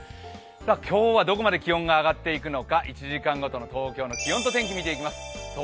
今日はどこまで気温が上がっていくのか１時間ごとの東京の気温と天気を見ていきます。